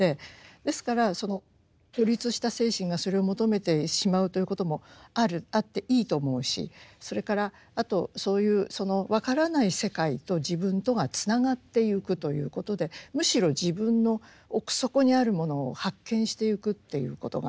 ですからその孤立した精神がそれを求めてしまうということもあるあっていいと思うしそれからあとそういうその分からない世界と自分とがつながってゆくということでむしろ自分の奥底にあるものを発見してゆくということがあると思うんです。